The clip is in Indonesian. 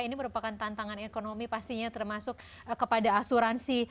ini merupakan tantangan ekonomi pastinya termasuk kepada asuransi